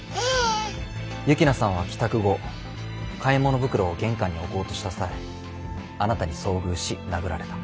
幸那さんは帰宅後買い物袋を玄関に置こうとした際あなたに遭遇し殴られた。